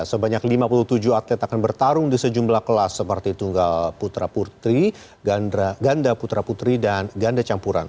sebanyak lima puluh tujuh atlet akan bertarung di sejumlah kelas seperti tunggal putra putri ganda putra putri dan ganda campuran